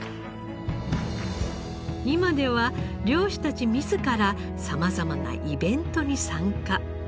今では漁師たち自ら様々なイベントに参加。